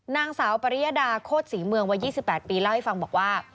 นางสาวปริยดาโคตรศรีเมืองวัย๒๘ปีเล่าให้ฟังบอกว่า